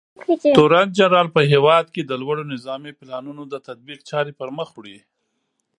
تورنجنرال په هېواد کې د لوړو نظامي پلانونو د تطبیق چارې پرمخ وړي.